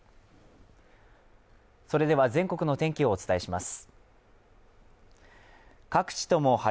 それでは全国の天気をお伝えします。